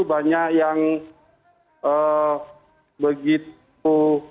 banyak yang begitu